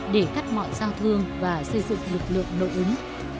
để cắt mọi giao thương và xây dựng lực lượng nội ứng